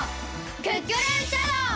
クックルンシャドー！